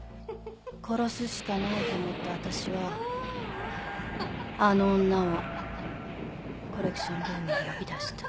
殺すしかないと思った私はあの女をコレクションルームに呼び出した。